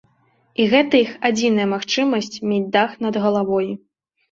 І гэта іх адзіная магчымасць мець дах над галавой.